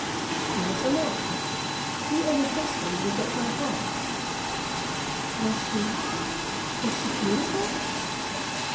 "She was an actress. She and her husband lived at my house." "Was she was she beautiful?"